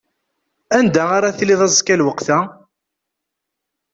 Anda ara tiliḍ azekka lweqt-a?